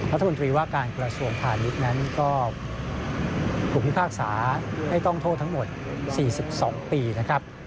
รัฐมนตรีว่าการกระทรวงพาณิชย์นั้นก็ถูกพิพากษาให้ต้องโทษทั้งหมด๔๒ปีนะครับ